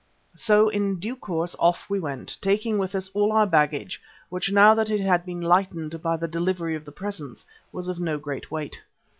So in due course off we went, taking with us all our baggage, which now that it had been lightened by the delivery of the presents, was of no great weight.